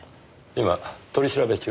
今取り調べ中です。